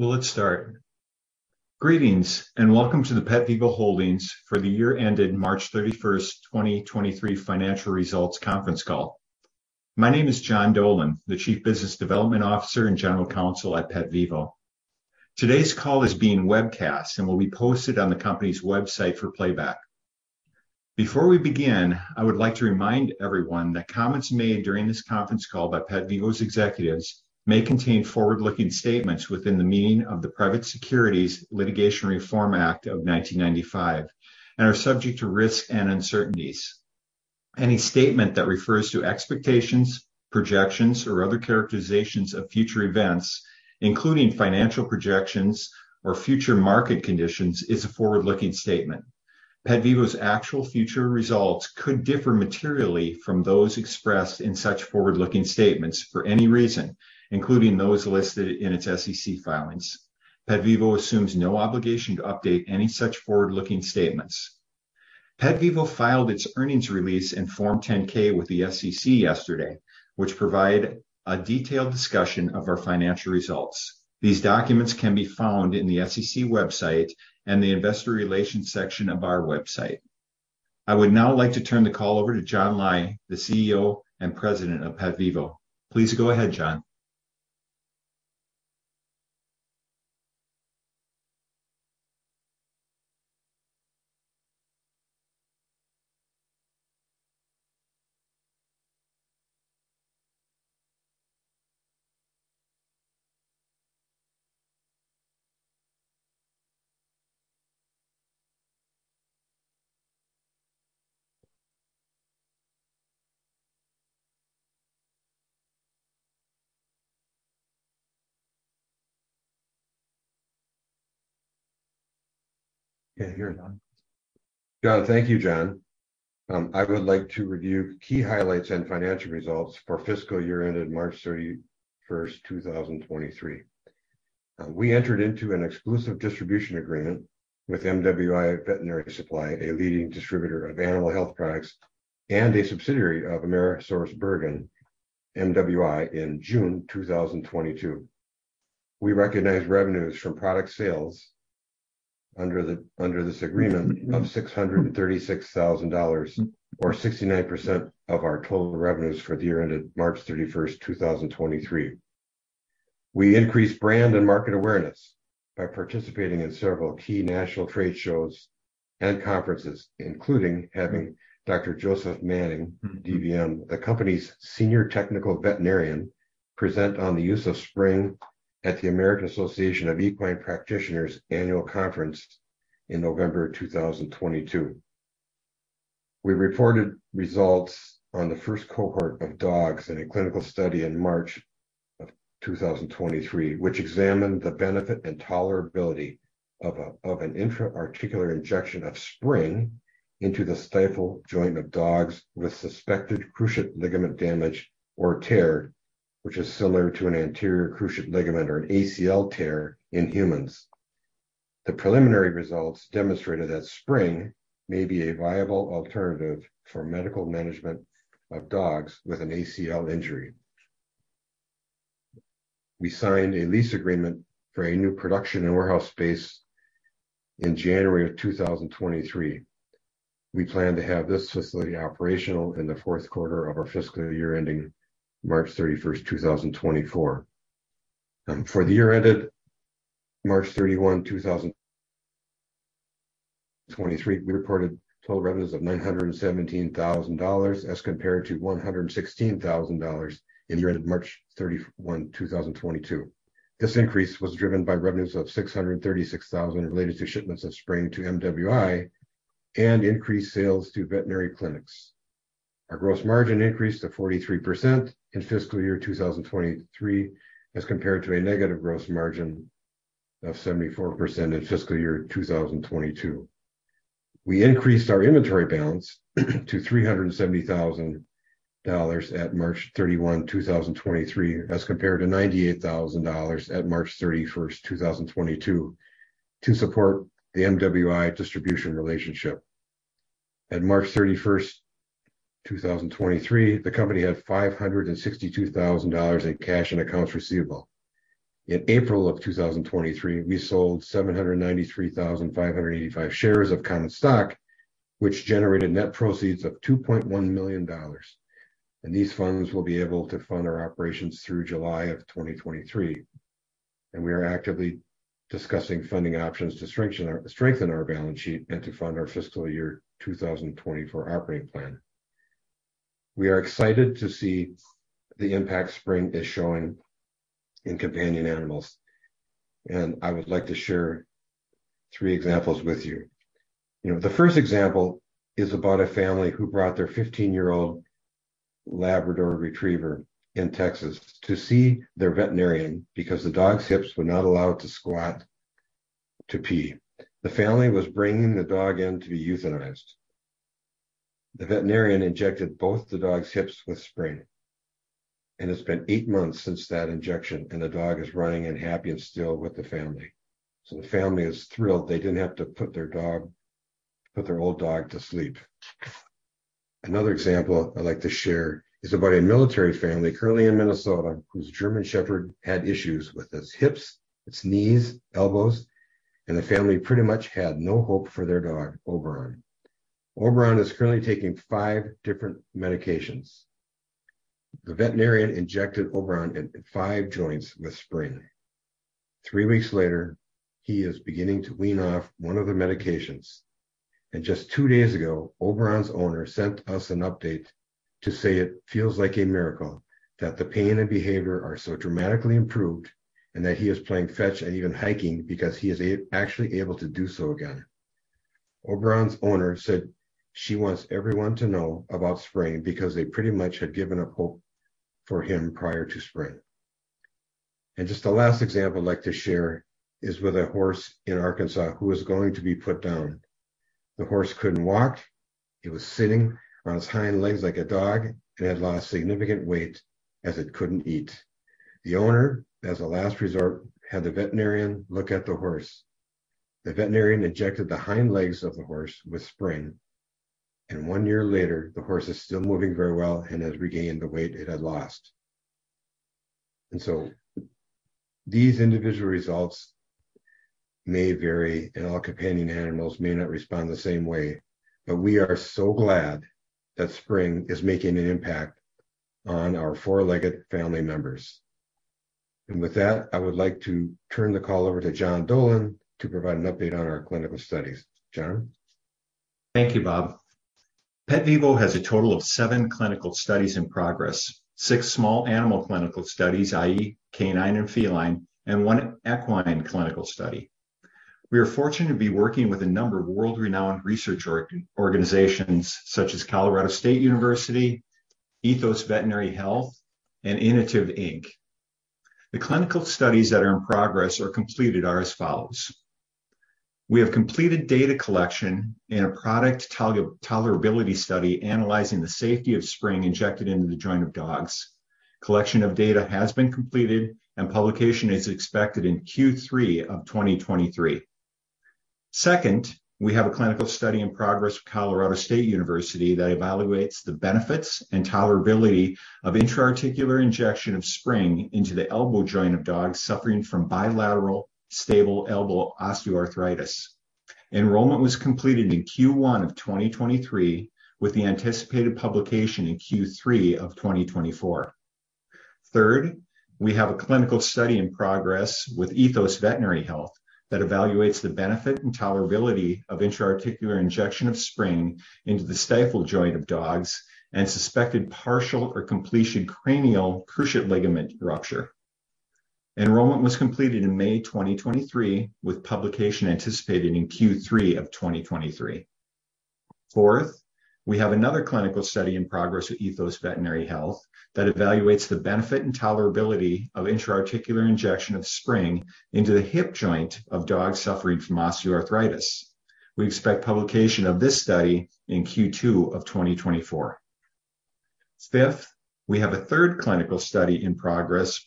Well, let's start. Greetings, and welcome to the PetVivo Holdings for the year ended March thirty-first, 2023, financial results conference call. My name is John Dolan, the Chief Business Development Officer and General Counsel at PetVivo. Today's call is being webcast and will be posted on the company's website for playback. Before we begin, I would like to remind everyone that comments made during this conference call by PetVivo's executives may contain forward-looking statements within the meaning of the Private Securities Litigation Reform Act of 1995 and are subject to risks and uncertainties. Any statement that refers to expectations, projections, or other characterizations of future events, including financial projections or future market conditions, is a forward-looking statement. PetVivo's actual future results could differ materially from those expressed in such forward-looking statements for any reason, including those listed in its SEC filings. PetVivo assumes no obligation to update any such forward-looking statements. PetVivo filed its earnings release and Form 10-K with the SEC yesterday, which provide a detailed discussion of our financial results. These documents can be found in the SEC website and in the Investor Relations section of our website. I would now like to turn the call over to John Lai, the CEO and President of PetVivo. Please go ahead, John. You're on. John, thank you, John. I would like to review key highlights and financial results for the fiscal year ended March 31st, 2023. We entered into an exclusive distribution agreement with MWI Veterinary Supply, a leading distributor of animal health products and a subsidiary of AmerisourceBergen, MWI, in June 2022. We recognized revenues from product sales under this agreement of $636,000, or 69% of our total revenues for the year ended March 31st, 2023. We increased brand and market awareness by participating in several key national trade shows and conferences, including having Dr. Joseph Manning, DVM, the company's Senior Technical Veterinarian, present on the use of Spryng at the American Association of Equine Practitioners annual conference in November 2022. We reported results on the first cohort of dogs in a clinical study in March 2023, which examined the benefit and tolerability of an intra-articular injection of Spryng into the stifle joint of dogs with suspected cruciate ligament damage or tear, which is similar to an anterior cruciate ligament or an ACL tear in humans. The preliminary results demonstrated that Spryng may be a viable alternative for medical management of dogs with an ACL injury. We signed a lease agreement for a new production and warehouse space in January 2023. We plan to have this facility operational in the fourth quarter of our fiscal year ending March 31st, 2024. For the year ended March 31, 2023, we reported total revenues of $917,000 as compared to $116,000 in the year ended March 31, 2022. This increase was driven by revenues of $636,000 related to shipments of Spryng to MWI and increased sales to veterinary clinics. Our gross margin increased to 43% in fiscal year 2023, as compared to a negative gross margin of 74% in fiscal year 2022. We increased our inventory balance to $370,000 at March 31, 2023, as compared to $98,000 at March 31, 2022, to support the MWI distribution relationship. At March 31st, 2023, the company had $562,000 in cash and accounts receivable. In April of 2023, we sold 793,585 shares of common stock, which generated net proceeds of $2.1 million. These funds will be able to fund our operations through July of 2023. We are actively discussing funding options to strengthen our balance sheet and to fund our fiscal year 2024 operating plan. We are excited to see the impact Spryng is showing in companion animals, I would like to share three examples with you. You know, the first example is about a family who brought their 15-year-old Labrador Retriever in Texas to see their veterinarian because the dog's hips would not allow it to squat to pee. The family was bringing the dog in to be euthanized. The veterinarian injected both the dog's hips with Spryng, and it's been eight months since that injection, and the dog is running and happy and still with the family. The family is thrilled they didn't have to put their old dog to sleep. Another example I'd like to share is about a military family currently in Minnesota whose German Shepherd had issues with its hips, its knees, elbows, and the family pretty much had no hope for their dog, Oberon. Oberon is currently taking five different medications. The veterinarian injected Oberon in five joints with Spryng. Three weeks later, he is beginning to wean off one of the medications, and just two days ago, Oberon's owner sent us an update to say it feels like a miracle, that the pain and behavior are so dramatically improved, and that he is playing fetch and even hiking because he is actually able to do so again. Oberon's owner said she wants everyone to know about Spryng because they pretty much had given up hope for him prior to Spryng. Just the last example I'd like to share is with a horse in Arkansas who was going to be put down. The horse couldn't walk. It was sitting on its hind legs like a dog and had lost significant weight, as it couldn't eat. The owner, as a last resort, had the veterinarian look at the horse. The veterinarian injected the hind legs of the horse with Spryng, and one year later, the horse is still moving very well and has regained the weight it had lost. These individual results may vary, and all companion animals may not respond the same way, but we are so glad that Spryng is making an impact on our four-legged family members. With that, I would like to turn the call over to John Dolan to provide an update on our clinical studies. John? Thank you, Bob. PetVivo has a total of seven clinical studies in progress: six small animal clinical studies, i.e., canine and feline, and one equine clinical study. We are fortunate to be working with a number of world-renowned research organizations, such as Colorado State University, Ethos Veterinary Health, and Inotiv Inc. The clinical studies that are in progress or completed are as follows: We have completed data collection in a product tolerability study analyzing the safety of Spryng injected into the joint of dogs. Publication is expected in Q3 of 2023. Second, we have a clinical study in progress with Colorado State University that evaluates the benefits and tolerability of intra-articular injection of Spryng into the elbow joint of dogs suffering from bilateral stable elbow osteoarthritis. Enrollment was completed in Q1 of 2023, with the anticipated publication in Q3 of 2024. Third, we have a clinical study in progress with Ethos Veterinary Health that evaluates the benefit and tolerability of intra-articular injection of Spryng into the stifle joint of dogs and suspected partial or completion cranial cruciate ligament rupture. Enrollment was completed in May 2023, with publication anticipated in Q3 of 2023. Fourth, we have another clinical study in progress with Ethos Veterinary Health that evaluates the benefit and tolerability of intra-articular injection of Spryng into the hip joint of dogs suffering from osteoarthritis. We expect publication of this study in Q2 of 2024. Fifth, we have a third clinical study in progress,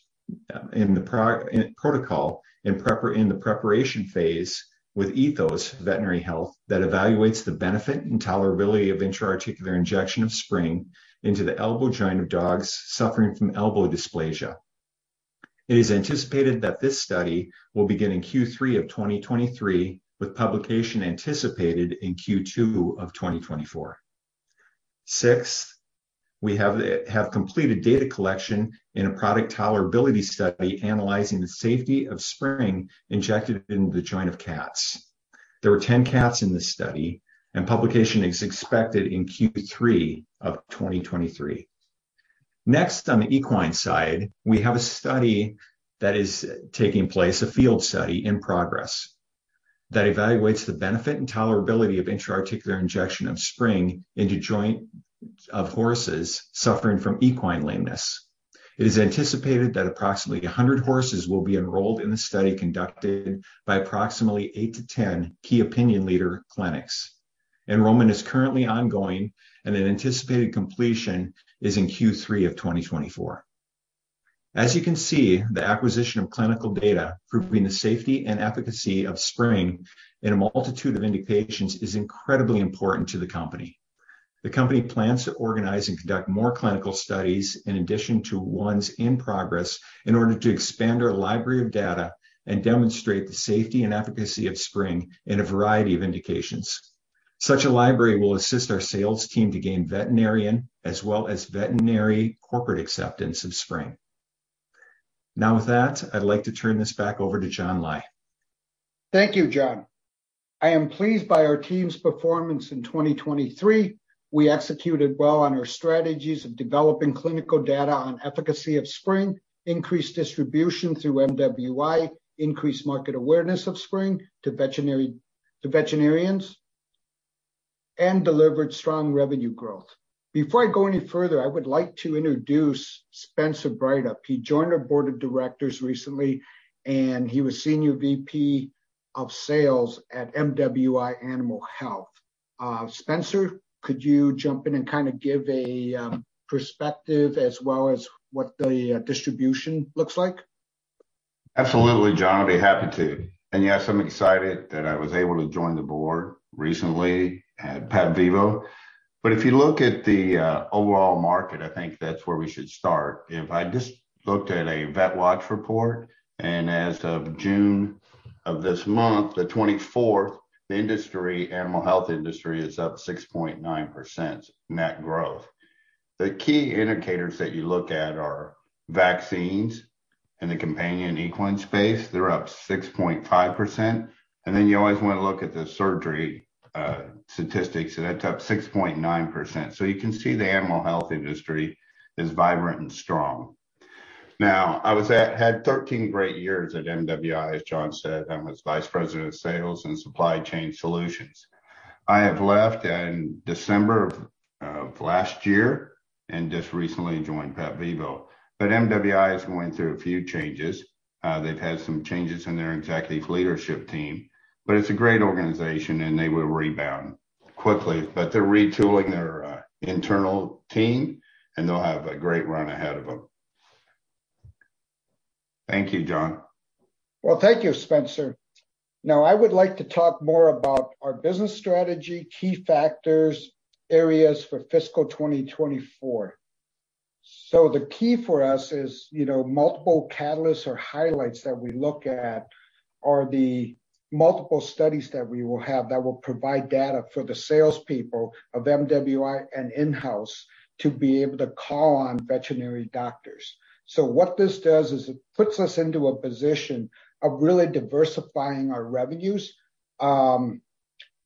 in protocol, in the preparation phase with Ethos Veterinary Health, that evaluates the benefit and tolerability of intra-articular injection of Spryng into the elbow joint of dogs suffering from elbow dysplasia. It is anticipated that this study will begin in Q3 of 2023, with publication anticipated in Q2 of 2024. Sixth, we have completed data collection in a product tolerability study analyzing the safety of Spryng injected into the joint of cats. There were 10 cats in this study, and publication is expected in Q3 of 2023. Next, on the equine side, we have a study that is taking place, a field study in progress, that evaluates the benefit and tolerability of intra-articular injection of Spryng into joint of horses suffering from equine lameness. It is anticipated that approximately 100 horses will be enrolled in the study conducted by approximately 8 to 10 key opinion leader clinics. Enrollment is currently ongoing, and an anticipated completion is in Q3 of 2024. As you can see, the acquisition of clinical data proving the safety and efficacy of Spryng in a multitude of indications is incredibly important to the company. The company plans to organize and conduct more clinical studies in addition to ones in progress in order to expand our library of data and demonstrate the safety and efficacy of Spryng in a variety of indications. Such a library will assist our sales team to gain veterinarian as well as veterinary corporate acceptance of Spryng. Now, with that, I'd like to turn this back over to John Lai. Thank you, John. I am pleased by our team's performance in 2023. We executed well on our strategies of developing clinical data on the efficacy of Spryng, increased distribution through MWI, increased market awareness of Spryng to veterinarians, and delivered strong revenue growth. Before I go any further, I would like to introduce Spencer Breithaupt. He joined our board of directors recently, and he was Senior VP of Sales at MWI Animal Health. Spencer, could you jump in and kind of give a perspective as well as what the distribution looks like? Absolutely, John, I'd be happy to. Yes, I'm excited that I was able to join the board recently at PetVivo. If you look at the overall market, I think that's where we should start. If I just looked at a VetWatch report, as of June of this month, the 24th, the industry, the animal health industry, is up 6.9% net growth. The key indicators that you look at are vaccines in the companion equine space; they're up 6.5%. You always wanna look at the surgery statistics, that's up 6.9%. You can see the animal health industry is vibrant and strong. Now, I had 13 great years at MWI; as John said, I was Vice President of Sales and Supply Chain Solutions. I have left in December of last year and just recently joined PetVivo. MWI is going through a few changes. They've had some changes in their executive leadership team, but it's a great organization, and they will rebound quickly. They're retooling their internal team, and they'll have a great run ahead of them. Thank you, John. Thank you, Spencer. Now, I would like to talk more about our business strategy, key factors, areas for fiscal 2024. The key for us is, you know, multiple catalysts or highlights that we look at are the multiple studies that we will have that will provide data for the salespeople of MWI and in-house to be able to call on veterinary doctors. What this does is it puts us into a position of really diversifying our revenues. The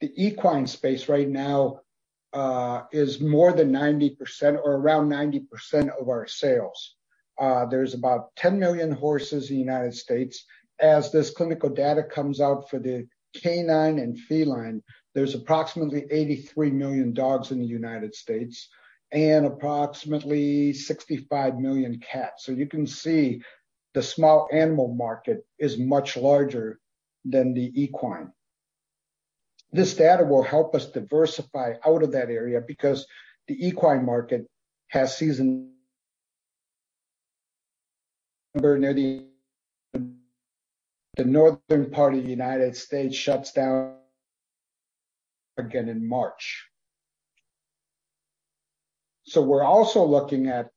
equine space right now is more than 90% or around 90% of our sales. There's about 10 million horses in the United States. As this clinical data comes out for the canine and feline, there's approximately 83 million dogs in the United States and approximately 65 million cats. You can see the small animal market is much larger than the equine. This data will help us diversify out of that area because the equine market has a season... [inaudible] The northern part of the United States shuts down again in March. We're also looking at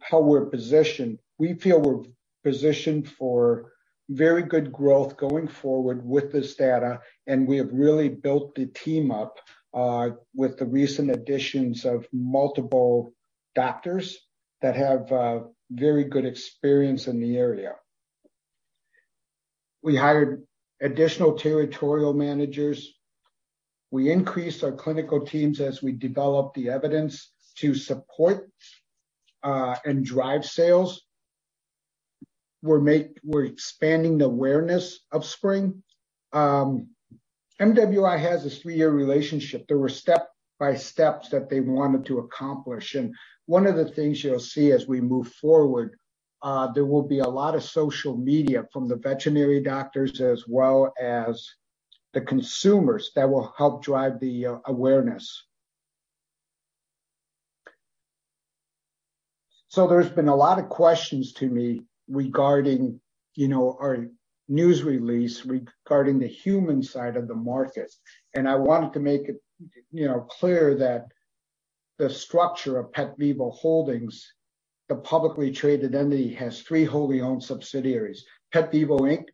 how we're positioned. We feel we're positioned for very good growth going forward with this data. We have really built the team up with the recent additions of multiple doctors that have very good experience in the area. We hired additional territorial managers. We increased our clinical teams as we developed the evidence to support and drive sales. We're expanding the awareness of Spryng. MWI has a three-year relationship. There were step-by-steps that they wanted to accomplish, and one of the things you'll see as we move forward, there will be a lot of social media from the veterinary doctors as well as the consumers that will help drive the awareness. So there's been a lot of questions to me regarding, you know, our news release regarding the human side of the market, and I wanted to make it, you know, clear that the structure of PetVivo Holdings, the publicly traded entity, has three wholly owned subsidiaries: PetVivo Inc.,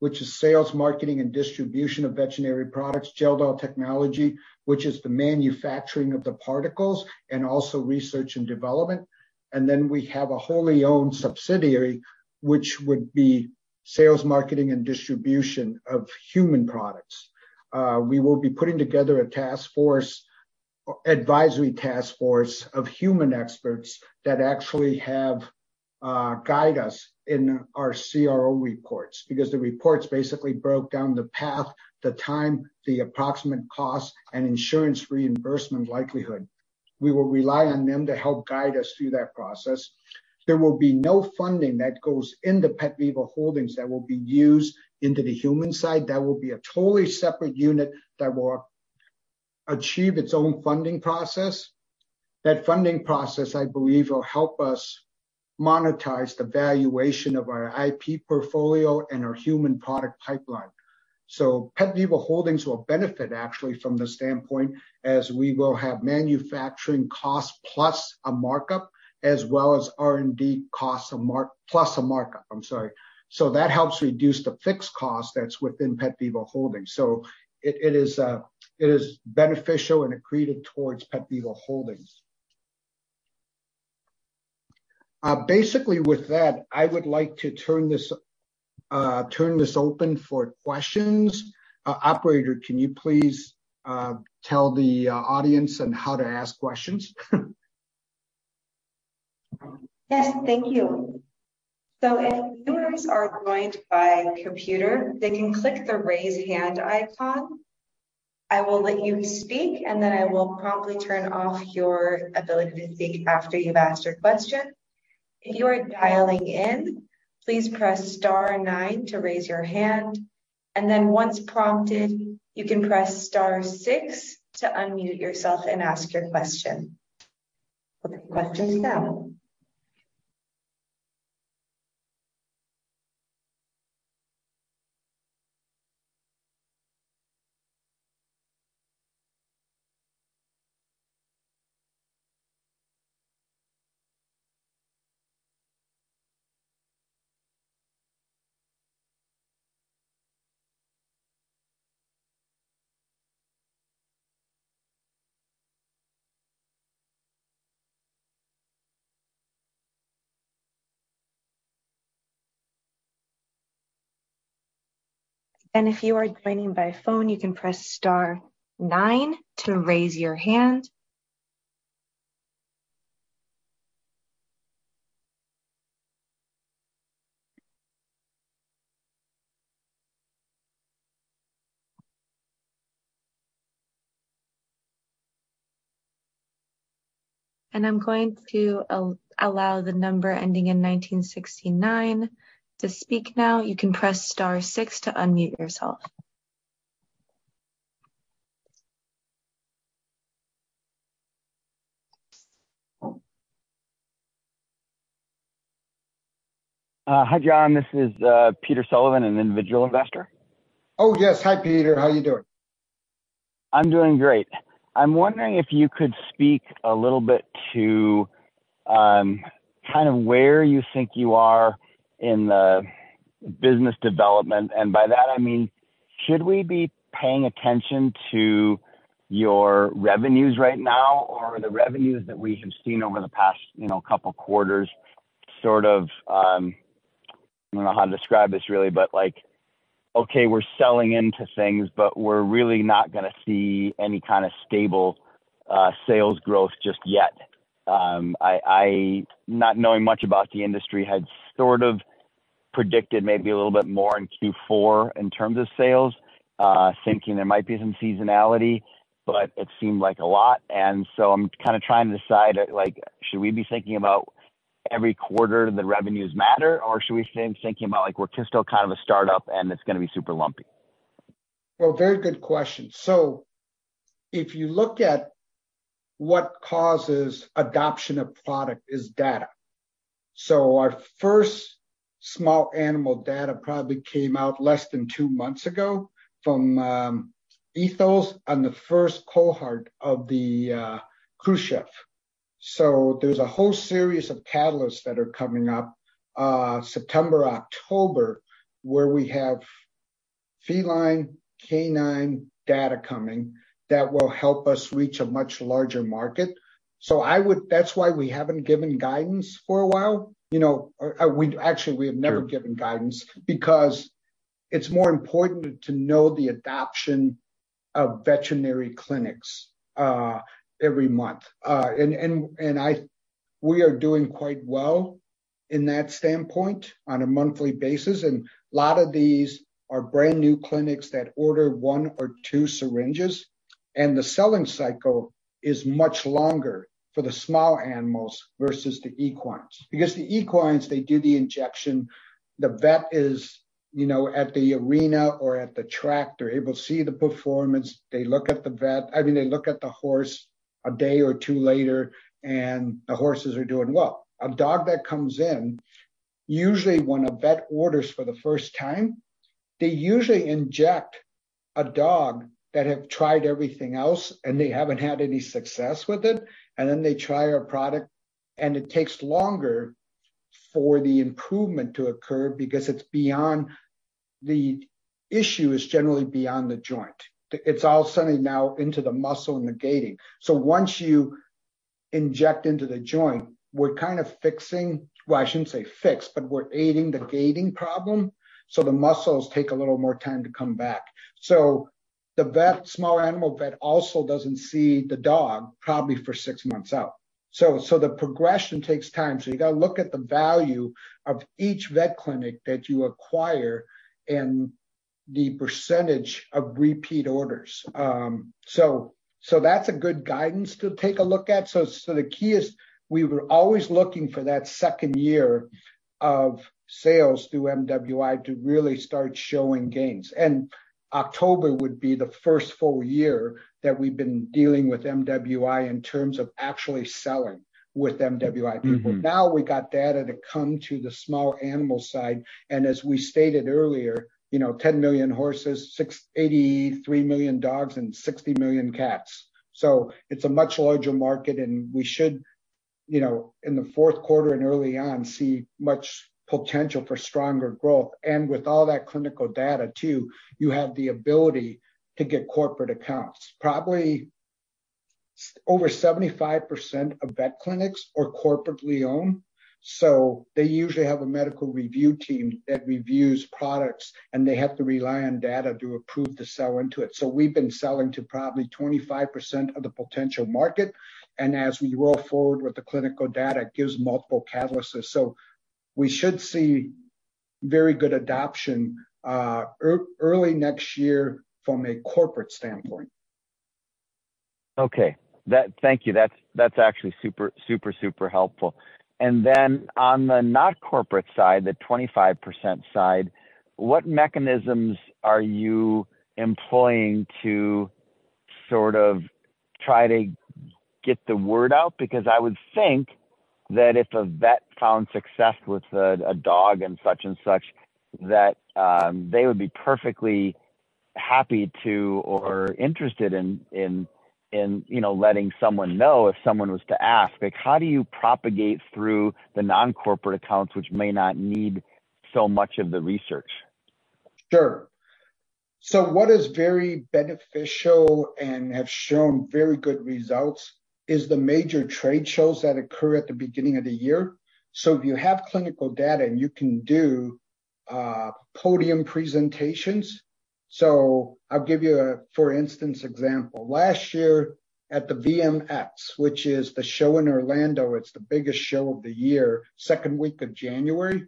which is sales, marketing, and distribution of veterinary products, Gel-Del Technologies, which is the manufacturing of the particles and also research and development, and then we have a wholly owned subsidiary, which would be sales, marketing, and distribution of human products. We will be putting together a task force, an advisory task force of human experts that actually have guide us in our CRO reports, because the reports basically broke down the path, the time, the approximate cost, and insurance reimbursement likelihood. We will rely on them to help guide us through that process. There will be no funding that goes into PetVivo Holdings that will be used into the human side. That will be a totally separate unit that will achieve its own funding process. That funding process, I believe, will help us monetize the valuation of our IP portfolio and our human product pipeline. PetVivo Holdings will benefit actually from the standpoint as we will have manufacturing costs plus a markup, as well as R&D costs plus a markup, I'm sorry. That helps reduce the fixed cost that's within PetVivo Holdings. It is beneficial and accreted towards PetVivo Holdings. Basically, with that, I would like to turn this, turn this open for questions. Operator, can you please, tell the audience on how to ask questions? Yes, thank you. If viewers are joined by computer, they can click the Raise Hand icon. I will let you speak, and then I will promptly turn off your ability to speak after you've asked your question. If you are dialing in, please press star nine to raise your hand, and then once prompted, you can press star six to unmute yourself and ask your question. Okay, questions now. If you are joining by phone, you can press star nine to raise your hand. I'm going to allow the number ending in 1969 to speak now. You can press star six to unmute yourself. Hi, John. This is Peter Sullivan, an individual investor. Oh, yes. Hi, Peter. How are you doing? I'm doing great. I'm wondering if you could speak a little bit to, kind of, where you think you are in the business development, and by that, I mean, should we be paying attention to your revenues right now, or the revenues that we have seen over the past, you know, 2 quarters, sort of? I don't know how to describe this, really, but, like, okay, we're selling into things, but we're really not gonna see any kind of stable sales growth just yet. I, not knowing much about the industry, had sort of predicted maybe a little bit more in Q4 in terms of sales, thinking there might be some seasonality, but it seemed like a lot. I'm kind of trying to decide, like, should we be thinking about every quarter the revenues matter, or should we stay thinking about, like, we're still kind of a start-up and it's gonna be super lumpy? Very good question. If you look at what causes adoption of product is data. Our first small animal data probably came out less than two months ago from Ethos on the first cohort of the cruciate. There's a whole series of catalysts that are coming up, September, October, where we have feline, canine data coming that will help us reach a much larger market. That's why we haven't given guidance for a while. You know, actually, we have never given guidance because it's more important to know the adoption of veterinary clinics, every month. We are doing quite well in that standpoint on a monthly basis, and a lot of these are brand-new clinics that order one or two syringes, and the selling cycle is much longer for the small animals versus the equines. The equines, they do the injection; the vet is, you know, at the arena or at the track. They're able to see the performance. They look at the vet, I mean, they look at the horse a day or two later, and the horses are doing well. A dog that comes in, usually when a vet orders for the first time, they usually inject a dog that have tried everything else, and they haven't had any success with it, and then they try our product, and it takes longer for the improvement to occur because it's beyond... The issue is generally beyond the joint. It's all suddenly now into the muscle and the gating. Once you inject into the joint, we're kind of fixing, well, I shouldn't say fix, but we're aiding the gaiting problem, so the muscles take a little more time to come back. The vet, a small animal vet, also doesn't see the dog, probably for six months out. The progression takes time. You got to look at the value of each vet clinic that you acquire and the percentage of repeat orders. That's a good guidance to take a look at. The key is we were always looking for that second year of sales through MWI to really start showing gains. October would be the first full year that we've been dealing with MWI in terms of actually selling with MWI people. Mm-hmm. We got data to come to the small animal side, and as we stated earlier, you know, 10 million horses, 83 million dogs, and 60 million cats. It's a much larger market, and we should, you know, in the fourth quarter and early on, see much potential for stronger growth. With all that clinical data too, you have the ability to get corporate accounts. Probably over 75% of vet clinics are corporately owned, so they usually have a medical review team that reviews products, and they have to rely on data to approve the sell into it. We've been selling to probably 25% of the potential market, and as we roll forward with the clinical data, it gives multiple catalysts. We should see very good adoption early next year from a corporate standpoint. Okay. Thank you. That's actually super, super helpful. Then on the not corporate side, the 25% side, what mechanisms are you employing to sort of try to get the word out? I would think that if a vet found success with a dog and such and such, that they would be perfectly happy to, or interested in, you know, letting someone know if someone was to ask. Like, how do you propagate through the non-corporate accounts, which may not need so much of the research? Sure. What is very beneficial and have shown very good results is the major trade shows that occur at the beginning of the year. If you have clinical data, and you can do podium presentations. I'll give you a for instance example. Last year at the VMX, which is the show in Orlando, it's the biggest show of the year, the second week of January,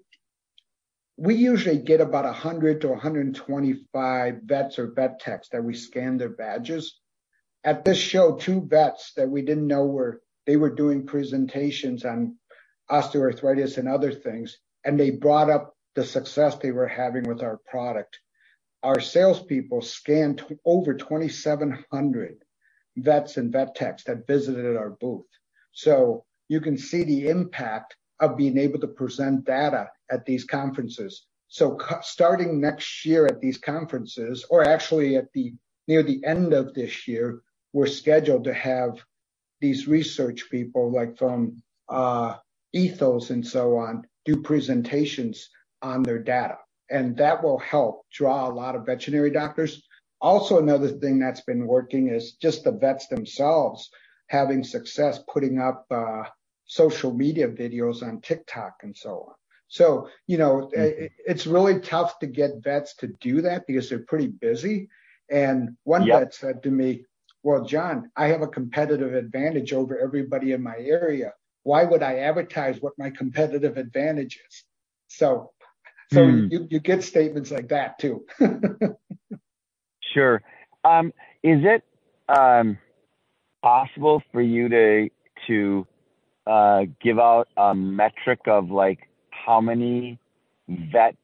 we usually get about 100 to 125 vets or vet techs that we scan their badges. At this show, two vets that we didn't know were, they were doing presentations on osteoarthritis and other things, and they brought up the success they were having with our product. Our salespeople scanned over 2,700 vets and vet techs that visited our booth. You can see the impact of being able to present data at these conferences. Starting next year at these conferences, or actually at the near the end of this year, we're scheduled to have these research people, like from Ethos and so on, do presentations on their data, and that will help draw a lot of veterinary doctors. Also, another thing that's been working is just the vets themselves having success putting up social media videos on TikTok and so on. You know, it's really tough to get vets to do that because they're pretty busy. Yeah. One vet said to me, "Well, John, I have a competitive advantage over everybody in my area. Why would I advertise what my competitive advantage is? Mm. You get statements like that, too. Sure. Is it possible for you to give out a metric of, like, how many vet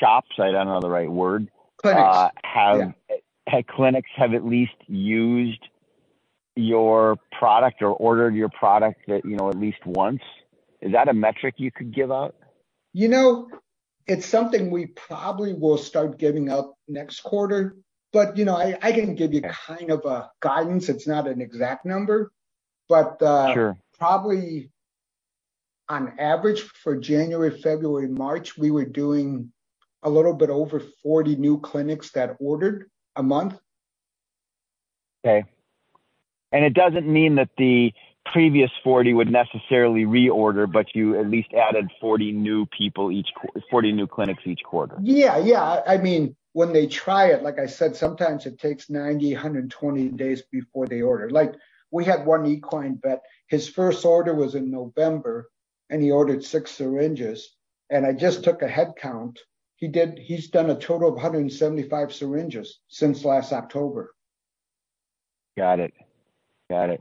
shops, I don't know the right word? Clinics. Uh, have- Yeah. Pet clinics have at least used your product or ordered your product at, you know, at least once? Is that a metric you could give out? You know, it's something we probably will start giving out next quarter, but, you know, I can give you the kind of a guidance. It's not an exact number, but, Sure... probably on average for January, February, March, we were doing a little bit over 40 new clinics that ordered a month. Okay. It doesn't mean that the previous 40 would necessarily reorder, but you at least added 40 new clinics each quarter. Yeah, yeah. I mean, when they try it, like I said, sometimes it takes 90, 120 days before they order. Like, we had one equine vet; his first order was in November, and he ordered six syringes, and I just took a headcount. He's done a total of 175 syringes since last October. Got it. Got it.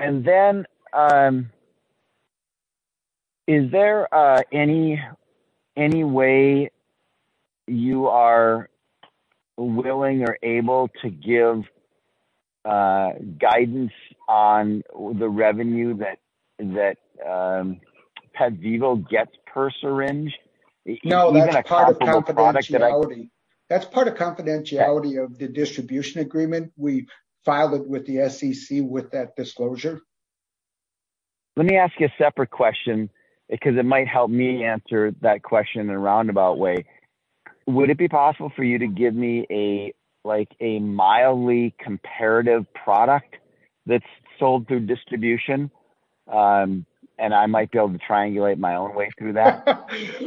Is there any way you are willing or able to give guidance on the revenue that PetVivo gets per syringe? No, no, no, no. Even a comparable product that I... [inaudible] No, that's part of confidentiality. That's part of confidentiality. Okay of the distribution agreement. We filed it with the SEC, with that disclosure. Let me ask you a separate question, because it might help me answer that question in a roundabout way. Would it be possible for you to give me a, like, a mildly comparative product that's sold through distribution? I might be able to triangulate my own way through that.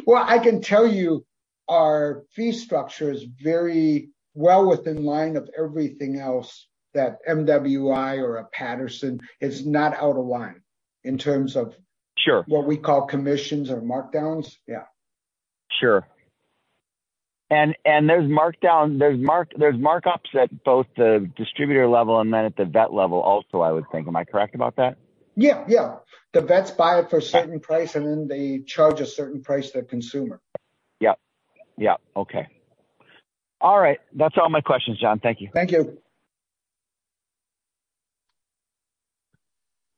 Well, I can tell you our fee structure is very well with in line of everything else, that MWI or a Patterson is not out of line in terms of... Sure... what we call commissions or markdowns. Yeah. Sure. There's markdown, there's markups at both the distributor level and then at the vet level also, I would think. Am I correct about that? Yeah, yeah. The vets buy it for a certain price, and then they charge a certain price to the consumer. Yep. Yep. Okay. All right. That's all my questions, John. Thank you. Thank you.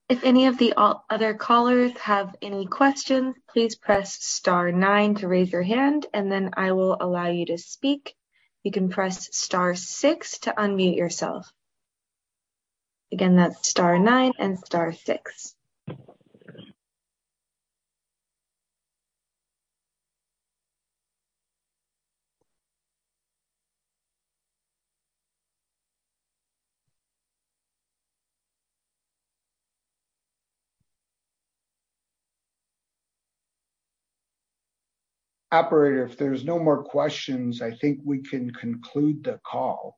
If any of the other callers have any questions, please press star nine to raise your hand, and then I will allow you to speak. You can press star six to unmute yourself. Again, that's star nine and star six. Operator, if there's no more questions, I think we can conclude the call.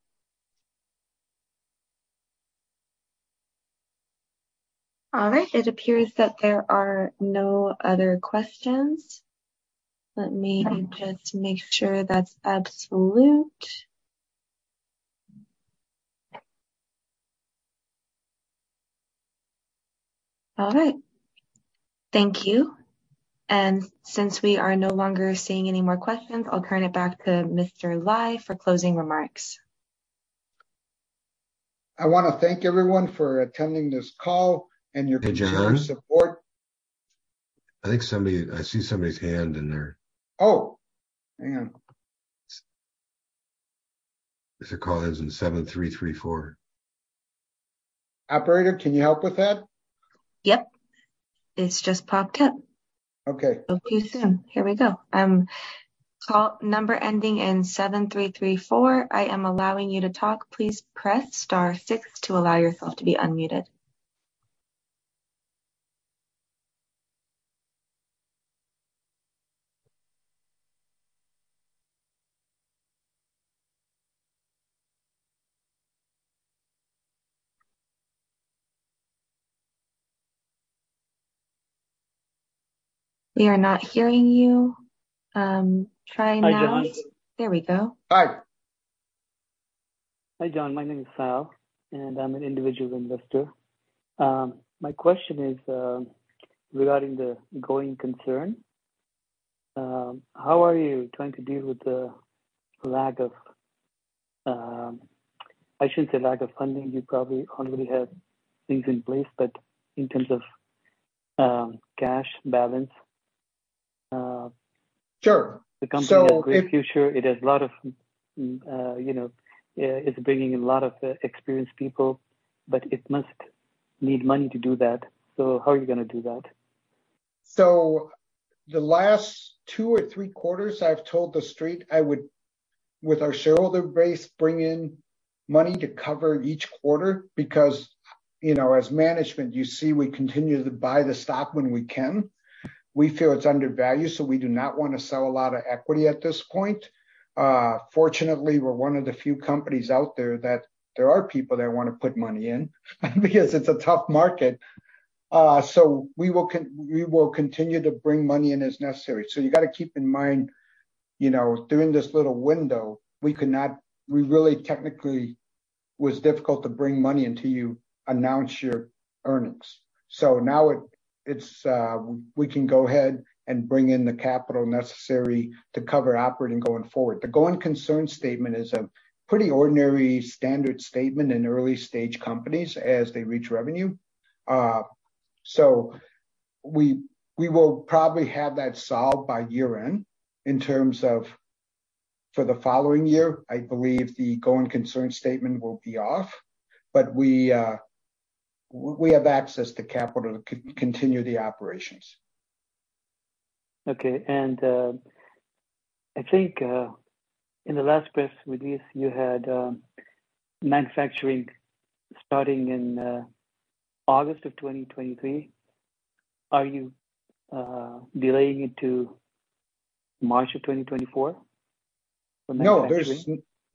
All right. It appears that there are no other questions. Let me just make sure that's absolute. All right. Thank you. Since we are no longer seeing any more questions, I'll turn it back to Mr. Lai for closing remarks. I want to thank everyone for attending this call and your continued support. Hey, John, I see somebody's hand in there. Oh, hang on. It's a call that's in 7334. Operator, can you help with that? Yep, it's just popped up. Okay. Okay, soon. Here we go. Call number ending in 7334, I am allowing you to talk. Please press star six to allow yourself to be unmuted. We are not hearing you; try now. Hi, John. There we go. Hi. Hi, John. My name is Sal, and I'm an individual investor. My question is regarding the going concern. How are you trying to deal with the lack of, I shouldn't say lack of funding? You probably already have things in place, but in terms of cash balance... Sure. The company has a great future. It has a lot of, you know, it's bringing in a lot of experienced people, but it must need money to do that. How are you gonna do that? So the last two or three quarters, I've told the street I would, with our shareholder base, bring in money to cover each quarter because, you know, as management, you see, we continue to buy the stock when we can. We feel it's undervalued, so we do not want to sell a lot of equity at this point. Fortunately, we're one of the few companies out there that there are people that want to put money in because it's a tough market. We will continue to bring money in as necessary. You got to keep in mind, you know, during this little window, we could not. We really technically was difficult to bring money until you announced your earnings. Now it's, we can go ahead and bring in the capital necessary to cover operating going forward. The going concern statement is a pretty ordinary standard statement in early-stage companies as they reach revenue. We will probably have that solved by year-end. In terms of for the following year, I believe the going concern statement will be off, but we have access to capital to continue the operations. Okay. I think, in the last press release, you had, manufacturing starting in, August of 2023. Are you, delaying it to March of 2024?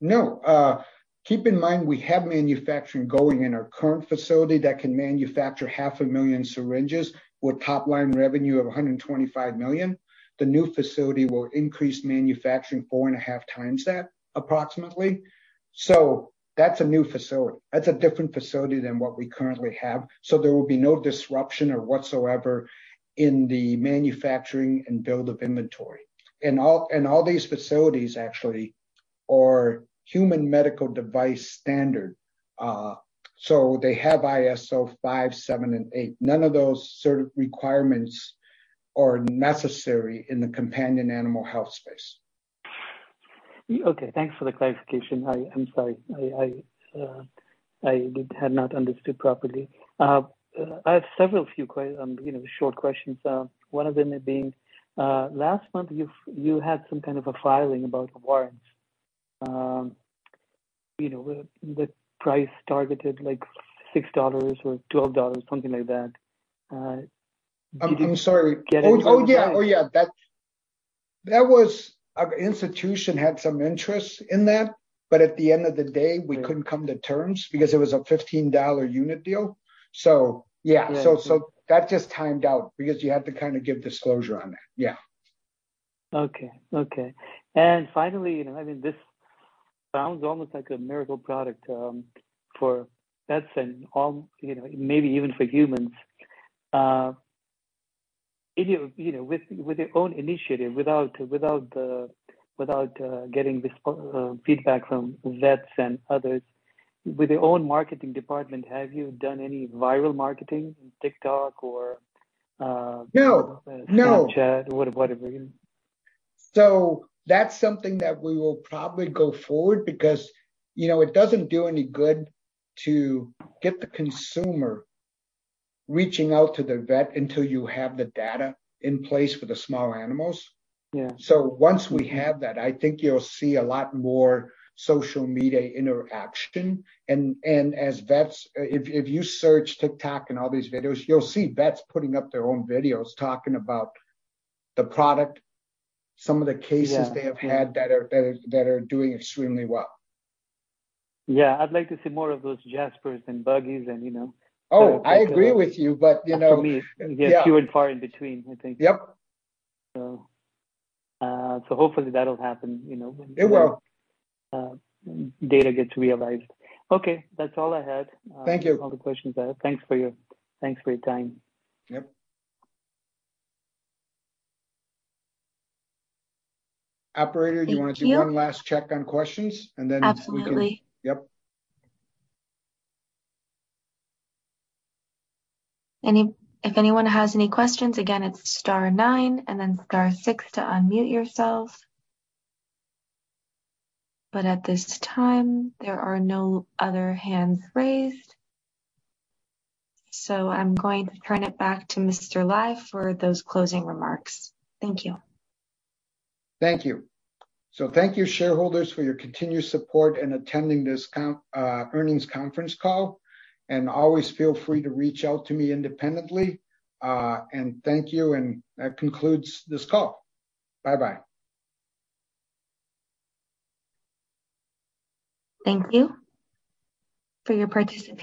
No. Keep in mind, we have manufacturing going on in our current facility that can manufacture half a million syringes with top-line revenue of $125 million. The new facility will increase manufacturing four and a half times that, approximately. That's a new facility. That's a different facility than what we currently have. There will be no disruption or whatsoever in the manufacturing and building of inventory. All these facilities actually are human medical device standard. They have ISO five, seven, and eight. None of those sorts of requirements are necessary in the companion animal health space. Okay, thanks for the clarification. I'm sorry. I had not understood properly. I have several few, you know, short questions. One of them being, last month, you had some kind of a filing about warrants. You know, with a price targeted, like, $6 or $12, something like that. I'm sorry. Getting.. [inaudible] Oh, yeah. Oh, yeah, that was an institution had some interest in that. At the end of the day, we couldn't come to terms because it was a $15 unit deal. Yeah. Yeah. That just timed out because you had to kind of give disclosure on that. Yeah. Okay. Okay. Finally, you know, I mean, this sounds almost like a miracle product, for vets and all, you know, maybe even for humans. If you know, with your own initiative, without the getting this feedback from vets and others, with your own marketing department, have you done any viral marketing, TikTok? No, no. Snapchat, or whatever? So that's something that we will probably go forward because, you know, it doesn't do any good to get the consumer reaching out to the vet until you have the data in place for the small animals. Yeah. Once we have that, I think you'll see a lot more social media interaction. As vets, if you search TikTok and all these videos, you'll see vets putting up their own videos talking about the product, some of the cases... Yeah... they have had that are doing extremely well. Yeah, I'd like to see more of those Jaspers and Buggies and, you know. Oh, I agree with you, but, you know... For me, they're few and far in between, I think. Yep. Hopefully that'll happen, you know... It will. ...data gets realized. Okay, that's all I had. Thank you. All the questions I have. Thanks for your time. Yep. Operator, do you want to do one last check on questions, and then.. Absolutely. ...Yep. Any, if anyone has any questions, again, it's star nine and then star six to unmute yourself. At this time, there are no other hands raised. I'm going to turn it back to Mr. Lai for those closing remarks. Thank you. Thank you. Thank you, shareholders, for your continued support in attending this earnings conference call, and always feel free to reach out to me independently. Thank you. That concludes this call. Bye-bye. Thank you for your participation.